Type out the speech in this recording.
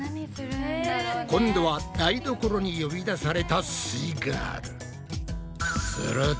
今度は台所に呼び出されたすイガール。